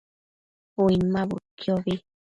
Uinmabudquiobi